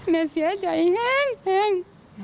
แม่เสียใจแห้ง